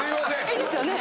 いいですよね？